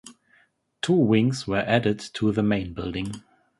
Two wings were added to the main building.